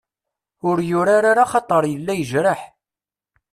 Ur yurar ara axaṭer yella yejreḥ.